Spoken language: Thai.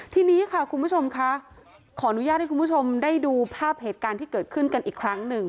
ทีนี้ค่ะคุณผู้ชมค่ะขออนุญาตให้คุณผู้ชมได้ดูภาพเหตุการณ์ที่เกิดขึ้นกันอีกครั้งหนึ่ง